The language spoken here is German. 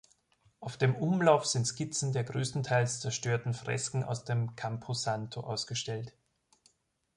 Auf dem Umlauf sind Skizzen der größtenteils zerstörten Fresken aus dem Camposanto ausgestellt.